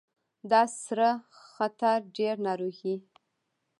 دا سره خطر ډیر ناروغۍ